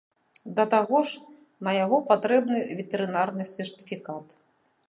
Да таго ж, на яго патрэбны ветэрынарны сертыфікат.